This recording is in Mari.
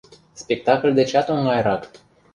Спектакль дечат оҥайрак.